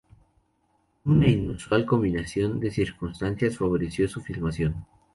Una inusual combinación de circunstancias favoreció su filmación.